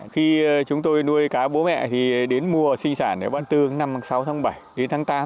khi chúng tôi nuôi cá bố mẹ thì đến mùa sinh sản ở năm sáu tháng bảy đến tháng tám